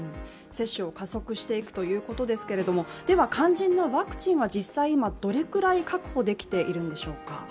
接種を加速していくということですけれども、では肝心のワクチンは実際今どれくらい確保できているんでしょうか